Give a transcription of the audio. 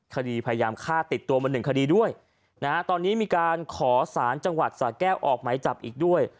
คดีพยายามฆ่าติดตัวมาหนึ่งคดีด้วยนะฮะตอนนี้มีการขอสารจังหวัดสาแก้วออกไหมจับอีกด้วย